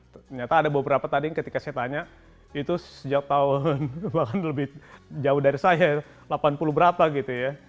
ternyata ada beberapa tadi yang ketika saya tanya itu sejak tahun bahkan lebih jauh dari saya delapan puluh berapa gitu ya